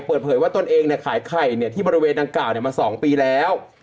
เปิดเผยว่าตนเองเนี้ยขายไข่เนี้ยที่บริเวณดังกล่าวเนี้ยมาสองปีแล้ว